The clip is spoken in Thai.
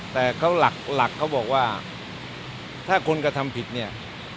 แต่เขาหลักเขาบอกว่าถ้าคนกระทำผิดเนี่ย